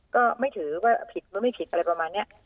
ก็ไม่ถือว่าผิดหรือไม่ผิดอะไรประมาณนี้